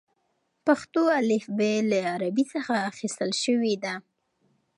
پښتو الفبې له عربي څخه اخیستل شوې ده.